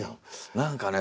何かね